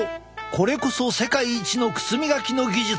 これこそ世界一の靴磨きの技術だ！